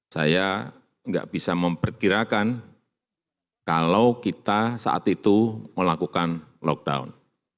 saya tidak bisa memperkirakan kalau kita saat itu melakukan lockdown